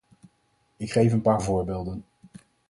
Ik geef een paar voorbeelden.